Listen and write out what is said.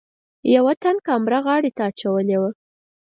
یوه تن کامره غاړې ته اچولې وه.